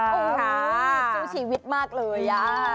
โอ้โหสู้ชีวิตมากเลย